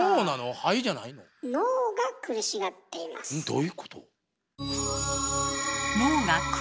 どういうこと？